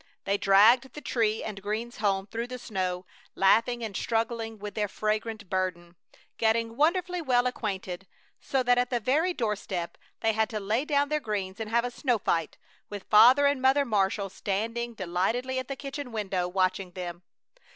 They dragged the tree and greens home through the snow, laughing and struggling with their fragrant burden, getting wonderfully well acquainted, so that at the very door step they had to lay down their greens and have a snow fight, with Father and Mother Marshall standing delightedly at the kitchen window, watching them.